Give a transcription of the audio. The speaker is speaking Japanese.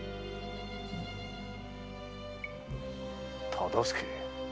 忠相。